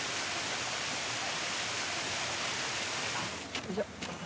よいしょ。